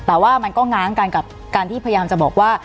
แต่ว่ามันก็ง้างกันกับการที่พยายามจะบอกว่า